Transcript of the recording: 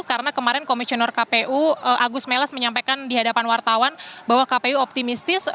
karena kemarin komisioner kpu agus melas menyampaikan di hadapan wartawan bahwa kpu optimistis